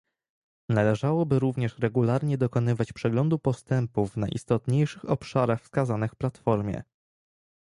Należałoby również regularnie dokonywać przeglądu postępów w najistotniejszych obszarach wskazanych w platformie